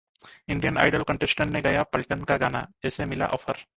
Indian Idol contestant ने गाया 'पलटन' का गाना, ऐसे मिला ऑफर